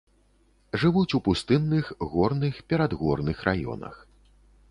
Жывуць у пустынных, горных, перадгорных раёнах.